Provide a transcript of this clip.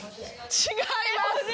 違います。